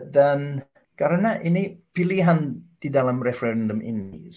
dan karena ini pilihan di dalam referendum ini